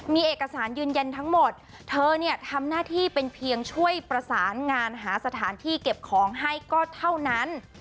มีเอกสารยืนยันทั้งหมดเธอเนี่ยทำหน้าที่เป็นเพียงช่วยประสานงานหาสถานที่เก็บของให้ก็เท่านั้น